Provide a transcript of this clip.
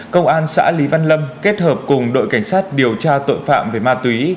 công an xã lý văn lâm kết hợp cùng đội cảnh sát điều tra tội phạm về ma túy